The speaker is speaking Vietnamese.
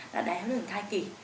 là đáy áo đường thai kỷ